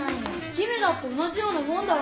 姫だって同じようなもんだろ。